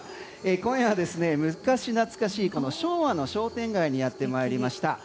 今夜は昔懐かしい昭和の商店街にやってまいりました。